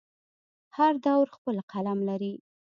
هر دور خپل قلم لري.